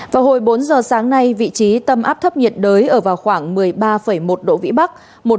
vào hồi bốn giờ sáng nay vị trí tâm áp thấp nhiệt đới ở vào khoảng một mươi ba một độ vĩ bắc